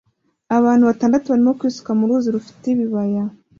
Abantu batandatu barimo kwisuka mu ruzi rufite ibibaya